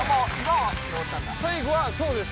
最後はそうです